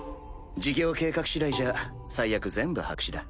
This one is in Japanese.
事業計画しだいじゃ最悪全部白紙だ。